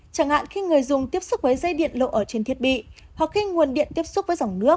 chẳng hạn khi người dùng tiếp xúc với dây điện lộ ở trên thiết bị hoặc khi nguồn điện tiếp xúc với dòng nước